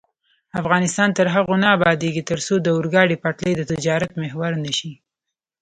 افغانستان تر هغو نه ابادیږي، ترڅو د اورګاډي پټلۍ د تجارت محور نشي.